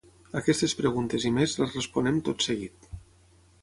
Aquestes preguntes i més les responem tot seguit.